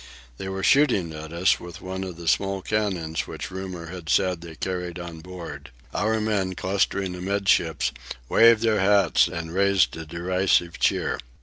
They were shooting at us with one of the small cannon which rumour had said they carried on board. Our men, clustering amidships, waved their hats and raised a derisive cheer.